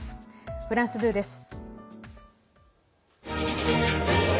フランス２です。